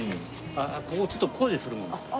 ここちょっと工事するもんですから。